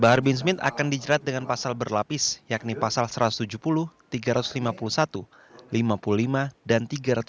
bahar bin smith akan dijerat dengan pasal berlapis yakni pasal satu ratus tujuh puluh tiga ratus lima puluh satu lima puluh lima dan tiga ratus enam puluh